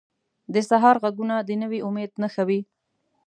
د سهار ږغونه د نوي امید نښه وي.